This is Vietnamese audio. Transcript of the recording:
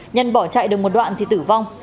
nhân bỏ chạy được một đoạn thì tử vong